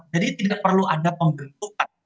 jadi tidak perlu ada pembentukan